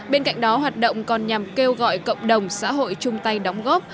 bên cạnh đó hoạt động còn nhằm kêu gọi cộng đồng xã hội chung tay đóng góp